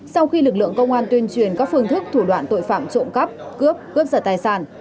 sau khi lực lượng công an tuyên truyền các phương thức thủ đoạn tội phạm trộm cắp cướp cướp giật tài sản